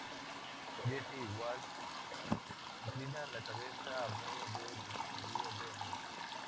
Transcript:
Jesse y Walt inclinan la cabeza a modo de despedida de ambos.